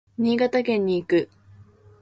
新潟県に行く。